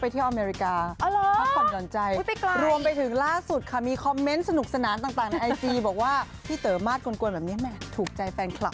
พี่เต๋อช่วงนี้เขาไปเที่ยวอเมริกา